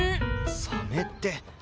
サメって。